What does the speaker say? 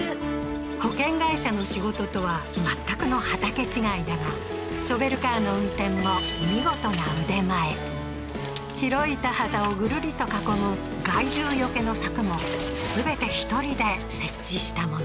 保険会社の仕事とは全くの畑違いだがショベルカーの運転も見事な腕前広い田畑をグルリと囲む害獣除けの柵も全て１人で設置したもの